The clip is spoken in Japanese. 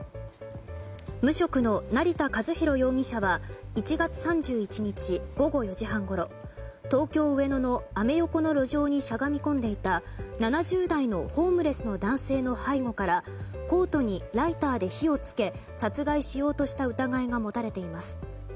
無職の成田和弘容疑者は１月３１日午後４時半ごろ東京・上野のアメ横の路上にしゃがみ込んでいた７０代のホームレスの男性の背後からコートにライターで火をつけ殺害しようとした疑いが持たれています。